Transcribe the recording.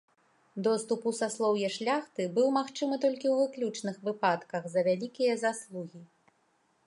Доступ у саслоўе шляхты быў магчымы толькі ў выключных выпадках за вялікія заслугі.